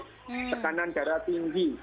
tekanan darah tinggi